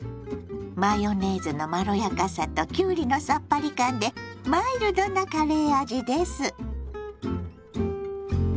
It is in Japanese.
⁉マヨネーズのまろやかさときゅうりのさっぱり感でマイルドなカレー味です。